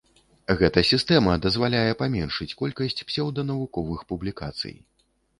Гэта сістэма дазваляе паменшыць колькасць псеўданавуковых публікацый.